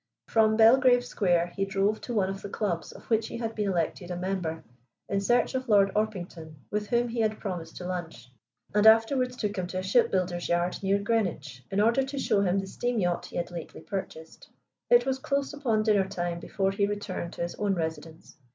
From Belgrave Square he drove to one of the clubs of which he had been elected a member, in search of Lord Orpington, with whom he had promised to lunch, and afterwards took him to a ship builder's yard near Greenwich, in order to show him the steam yacht he had lately purchased. It was close upon dinner time before he returned to his own residence.